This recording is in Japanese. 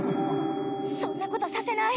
そんなことさせない！